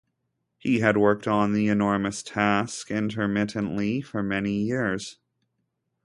He had worked on the enormous task intermittently for many years.